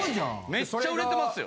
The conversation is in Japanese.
めっちゃ売れてますよ。